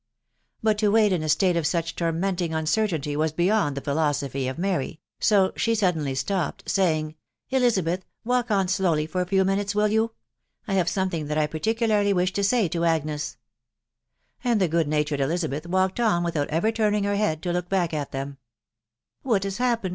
But to wait in a state of such tormenting uncertainty was beyond the philosophy of Mary, so the su&teiC^ ^b\$*&, *«v 270 THE WIDOW BABNAK. ing, " Elizabeth ! walk on slowly for a few Bmwtn> td you ?.... I have something that I particularly with to w to Agnes." .... And the good natured Elisabeth walked « without ever turning her head to look back at than*. " What has happened